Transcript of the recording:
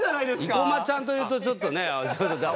生駒ちゃんというとちょっとね。